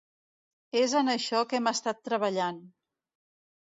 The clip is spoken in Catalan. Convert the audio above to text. És en això que hem estat treballant.